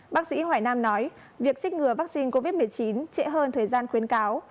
bác sĩ hoài nam nói việc trích ngừa vaccine covid một mươi chín trễ hơn thời gian khuyến cáo